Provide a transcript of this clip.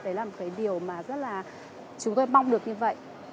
đấy là một cái điều mà rất là chúng tôi mong được như vậy